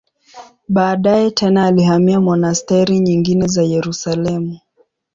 Baadaye tena alihamia monasteri nyingine za Yerusalemu.